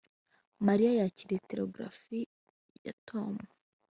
Mariya yakiriye telegraph ya Tom